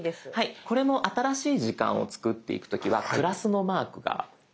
これも新しい時間を作っていく時はプラスのマークがどこかに。